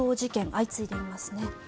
相次いでいますね。